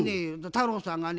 太郎さんがね